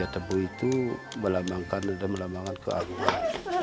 tebu itu melambangkan dan melambangkan kearian